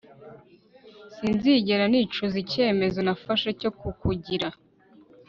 Sinzigera nicuza icyemezo nafashe cyo kukugira